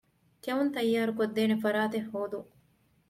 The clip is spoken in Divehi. ކެއުން ތައްޔާރުކޮށްދޭނެ ފަރާތެއް ހޯދުން